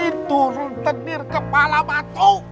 itu rentenir kepala batu